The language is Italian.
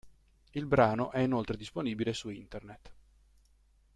Il brano è inoltre disponibile su Internet.